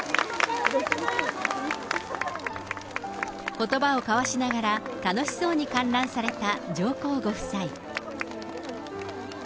ことばを交わしながら、楽しそうに観覧された上皇ご夫妻。